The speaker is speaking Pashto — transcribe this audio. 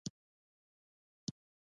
د کابل له هوایي ډګر څخه روان شولو.